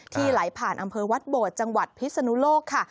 ไหลผ่านอำเภอวัดโบดจังหวัดพิศนุโลกค่ะ